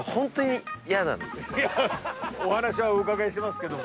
お話はお伺いしてますけども。